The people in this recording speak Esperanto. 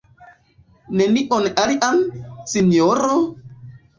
Nenion alian, sinjoro?